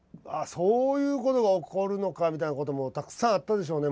そういうことが起こるのかみたいなこともたくさんあったでしょうね